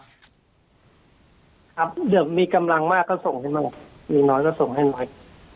ครับเดี๋ยวมีกำลังมากก็ส่งให้มั่งอย่างน้อยก็ส่งให้หน่อย